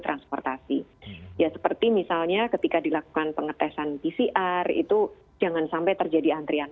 transportasi ya seperti misalnya ketika dilakukan pengetesan pcr itu jangan sampai terjadi antrian